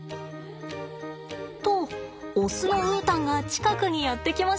とオスのウータンが近くにやって来ました。